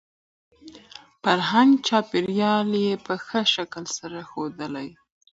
فرهنګ ،چاپېريال يې په ښه شکل سره يې ښودلى .